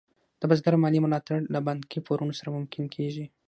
د بزګر مالي ملاتړ له بانکي پورونو سره ممکن کېږي.